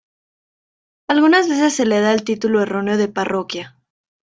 Algunas veces se le da el título erróneo de "parroquia".